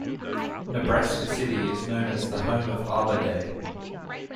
Nebraska City is known as "The Home of Arbor Day".